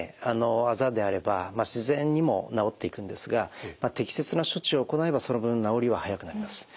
あざであれば自然に治っていくんですが適切な処置を行えばその分治りは早くなります。